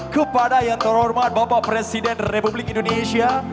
kepada yang terhormat bapak presiden republik indonesia